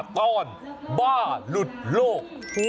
ก้อนบ้าหลุดโลก